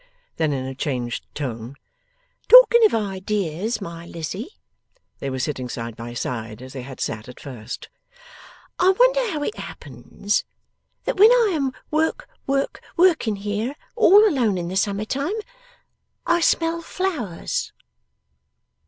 Then, in a changed tone; 'Talking of ideas, my Lizzie,' they were sitting side by side as they had sat at first, 'I wonder how it happens that when I am work, work, working here, all alone in the summer time, I smell flowers.